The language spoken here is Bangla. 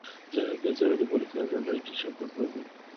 যাইহোক, এই জ্যামিতি পরীক্ষার জন্য একটি স্বাক্ষর প্রয়োজন।